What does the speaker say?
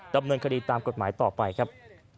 ดำเนินคดีตามกฎหมายต่อไปครับ